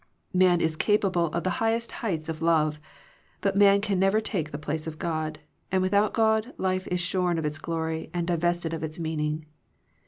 Man is capable of the highest heights of love. But man can never take the place of God, and without God life is shorn of its glory and divested of its meaning.